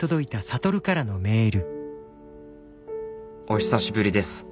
お久しぶりです。